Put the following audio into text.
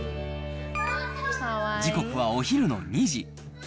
時刻はお昼の２時。